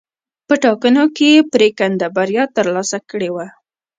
په ټاکنو کې یې پرېکنده بریا ترلاسه کړې وه.